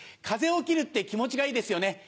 風を切るって気持ちがいいですよね。